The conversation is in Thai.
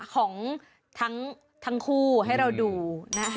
ของทั้งคู่ให้เราดูนะคะ